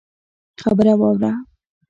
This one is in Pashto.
خبره واوره!